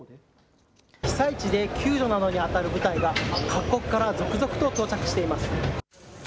被災地で救助などにあたる部隊が各国から続々と到着しています。